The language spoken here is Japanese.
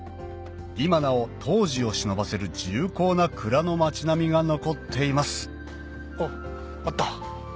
今なお当時をしのばせる重厚な蔵の町並みが残っていますあっあった。